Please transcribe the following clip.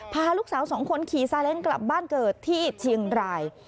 พาลูกสาวสองคนขี่ซาเล้งกลับบ้านเกิดที่เชียงราย